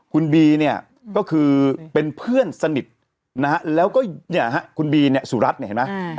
คุณบีเนี่ยก็คือเป็นเพื่อนสนิทนะฮะแล้วก็เนี่ยฮะคุณบีเนี่ยสุรัตน์เนี่ยเห็นไหม